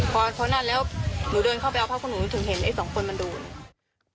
พอนานแล้วหนูเดินเข้าไปเอาพาลูกถึงเห็น๒คนมันโดน